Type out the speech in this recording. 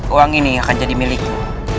uang ini akan jadi milikmu